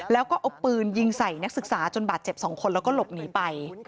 แล้วก็เอาปืนยิงใส่นักศึกษาจนบาดเจ็บ๒คนแล้วก็หลบหนีไป